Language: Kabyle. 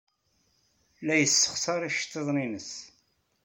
La yessexṣar iceḍḍiḍen-nnes.